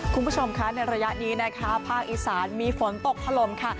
คุณผู้ชมคะในระยะนี้นะคะภาคอีสานมีฝนตกถล่มค่ะ